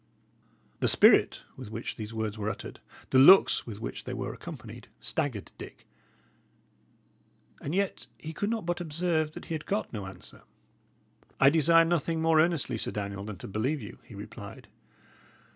The spirit with which these words were uttered, the looks with which they were accompanied, staggered Dick; and yet he could not but observe that he had got no answer. "I desire nothing more earnestly, Sir Daniel, than to believe you," he replied.